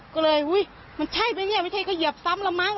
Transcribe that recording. ก็เลยอุ๊ยมันใช่ไหมเนี่ยไม่ใช่ก็เหยียบซ้ำแล้วมั้ง